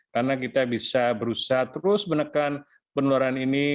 karena kita bisa berusaha terus menekan penularan ini